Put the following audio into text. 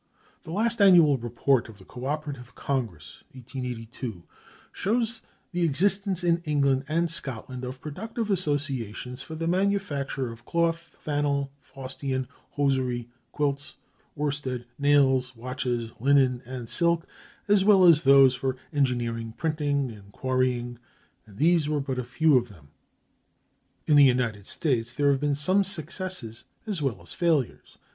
The last annual report of the Co operative Congress (1882) shows the existence in England and Scotland of productive associations for the manufacture of cloth, flannel, fustian, hosiery, quilts, worsted, nails, watches, linen, and silk, as well as those for engineering, printing, and quarrying; and these were but a few of them.(327) In the United States there have been some successes as well as failures.